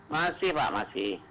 masih pak masih